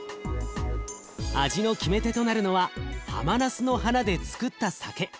味の決め手となるのははまなすの花でつくった酒。